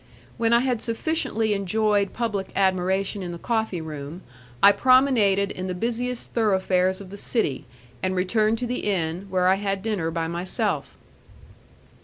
When I had sufficiently enjoyed public admiration in the coffee room, I promenaded in the busiest thoroughfares of the city, and returned to the inn, where I had dinner by myself.